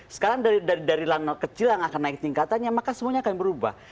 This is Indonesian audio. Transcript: sekarang dari lanal kecil yang akan naik tingkatannya maka semuanya akan berubah